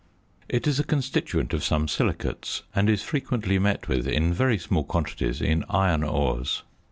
It is a constituent of some silicates, and is frequently met with in very small quantities in iron ores.